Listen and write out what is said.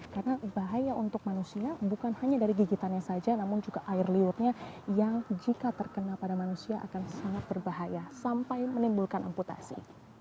karena bahaya untuk manusia bukan hanya dari gigitannya saja namun juga air liurnya yang jika terkena pada manusia akan sangat berbahaya sampai menimbulkan amputasi